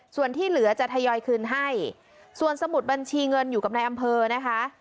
ส่วนที่เหลือจะทยอยคืนให้ส่วนสมุดบัญชีเงินอยู่กับนายอำเภอนะคะ